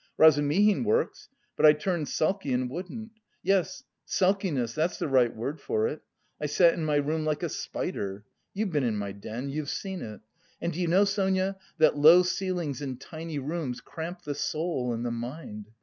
Razumihin works! But I turned sulky and wouldn't. (Yes, sulkiness, that's the right word for it!) I sat in my room like a spider. You've been in my den, you've seen it.... And do you know, Sonia, that low ceilings and tiny rooms cramp the soul and the mind?